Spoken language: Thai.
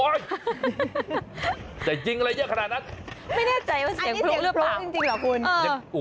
ได้ยิ้งอะไรเยอะขนาดนั้นไม่แน่ใจว่าเสียงพลุหรือเปล่าอันนี้เสียงพลุจริงจริงหรอคุณ